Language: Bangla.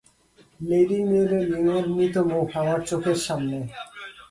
লেডি মেডেলিনের মৃত মুখ আমার চোখের সামনে।